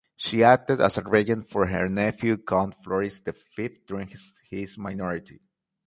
She acted as regent for her nephew Count Floris the Fifth during his minority.